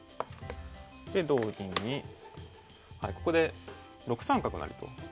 で同銀にここで６三角成と。